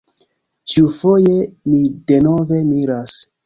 Ĉiufoje mi denove miras.